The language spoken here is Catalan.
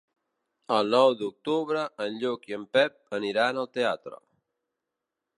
El nou d'octubre en Lluc i en Pep aniran al teatre.